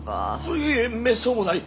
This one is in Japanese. いえめっそうもない！